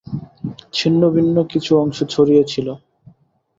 ছিন্নভিন্ন কিছু অংশ ছড়িয়ে ছিল।